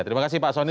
terima kasih pak soni